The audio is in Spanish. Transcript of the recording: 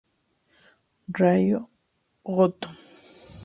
Ryo Goto